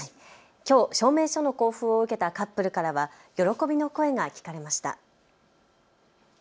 きょう証明書の交付を受けたカップルからは喜びの声が聞かれました。